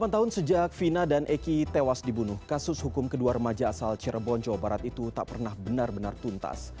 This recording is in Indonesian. delapan tahun sejak fina dan eki tewas dibunuh kasus hukum kedua remaja asal cirebon jawa barat itu tak pernah benar benar tuntas